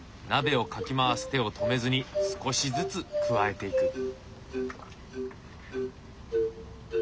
鍋をかき回す手を止めずに少しずつ加えていく。